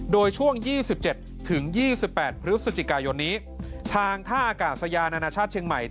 โดยช่วง๒๗๒๘พฤศจิกายนนี้ทางท่าอากาศยานานาชาติเชียงใหม่